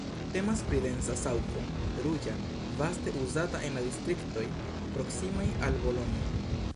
Temas pri densa saŭco, ruĝa, vaste uzata en la distriktoj proksimaj al Bolonjo.